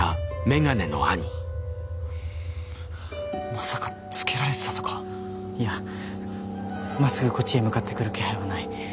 まさかつけられてたとか⁉いやまっすぐこっちへ向かってくる気配はない。